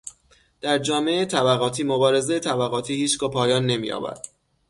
در جامعهٔ طبقاتی مبارزهٔ طبقاتی هیچگاه پایان نمییابد.